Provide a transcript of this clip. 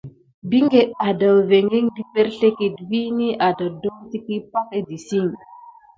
Binkete aɗevingə ɗe perslekidi vini aɗakudon tiki pay édisik.